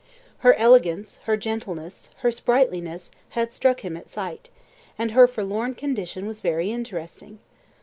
Her elegance, her gentleness, her sprightliness, had struck him at sight, and her forlorn condition was very interesting.